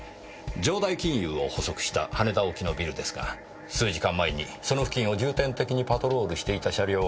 城代金融を捕捉した羽田沖のビルですが数時間前にその付近を重点的にパトロールしていた車両を調べてください。